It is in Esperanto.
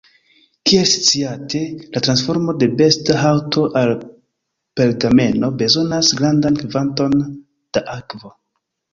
Kiel sciate, la transformo de besta haŭto al pergameno bezonas grandan kvanton da akvo.